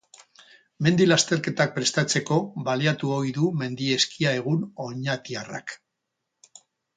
Mendi lasterketak prestatzeko baliatu ohi du mendi eskia egun oñatiarrak.